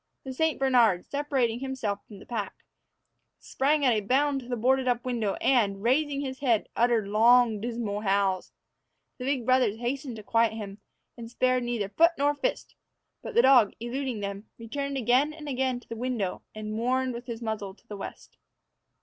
The St. Bernard, separating himself from the pack, sprang at a bound to the boarded up window and, raising his head, uttered long, dismal howls. The big brothers hastened to quiet him, and spared neither foot nor fist; but the dog, eluding them, returned again and again to the window, and mourned with his muzzle to the west.